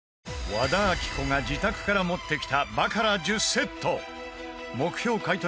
和田アキ子が自宅から持ってきたバカラ、１０セット目標買取